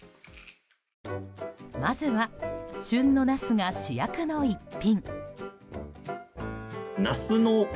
まずは旬のナスが主役の１品。